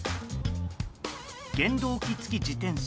原動機付き自転車